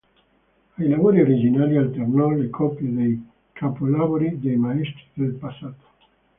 Ai lavori originali alternò le copie dei capolavori dei maestri del passato.